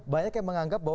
banyak yang menganggap